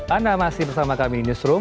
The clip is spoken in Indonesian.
anda masih bersama kami newsroom